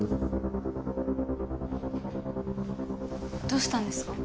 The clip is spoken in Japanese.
どうしたんですか？